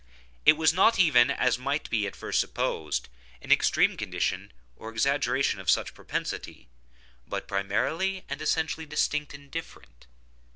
It was not even, as might be at first supposed, an extreme condition, or exaggeration of such propensity, but primarily and essentially distinct and different.